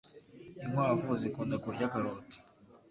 Inkwavu zikunda kurya karoti.